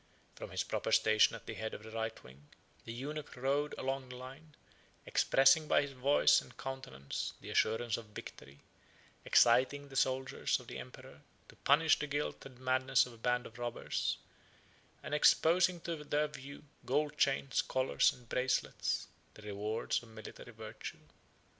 From his proper station at the head of the right wing, the eunuch rode along the line, expressing by his voice and countenance the assurance of victory; exciting the soldiers of the emperor to punish the guilt and madness of a band of robbers; and exposing to their view gold chains, collars, and bracelets, the rewards of military virtue.